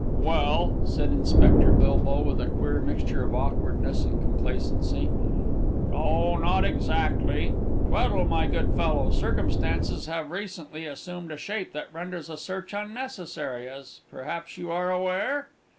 "Well," said Inspector Bilbow, with a queer mixture of awkwardness and complacency, "no, not exactly. Tweddle, my good fellow, circumstances have recently assumed a shape that renders a search unnecessary, as perhaps you are aware?"